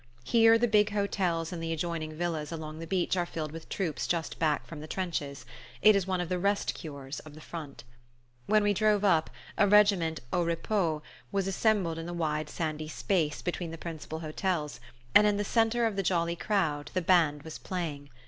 Here the big hotels and the adjoining villas along the beach are filled with troops just back from the trenches: it is one of the "rest cures" of the front. When we drove up, the regiment "au repos" was assembled in the wide sandy space between the principal hotels, and in the centre of the jolly crowd the band was playing.